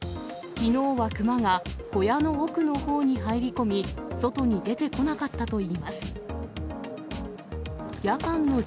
きのうはクマが小屋の奥のほうに入り込み、外に出てこなかったといいます。